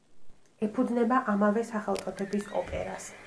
ეფუძნება ამავე სახელწოდების ოპერას.